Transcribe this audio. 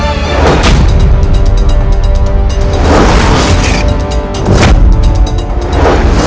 aku akan menemukanmu